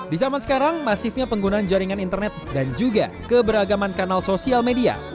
di zaman sekarang masifnya penggunaan jaringan internet dan juga keberagaman kanal sosial media